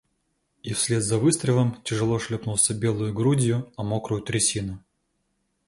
И вслед за выстрелом тяжело шлепнулся белою грудью о мокрую трясину.